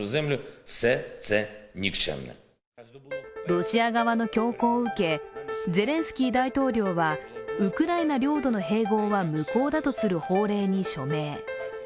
ロシア側の強行を受け、ゼレンスキー大統領はウクライナ領土の併合は無効だとする法令に署名。